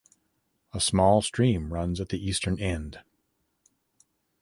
A small stream runs at the eastern end.